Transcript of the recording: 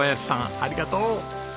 ありがとう！